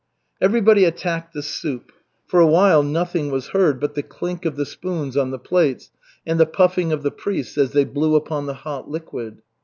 Everybody attacked the soup. For a while nothing was heard but the clink of the spoons on the plates and the puffing of the priests as they blew upon the hot liquid.